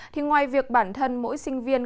thì ngoài việc bản thân mỗi sinh viên